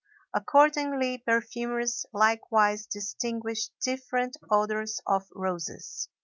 Accordingly, perfumers likewise distinguish different odors of roses.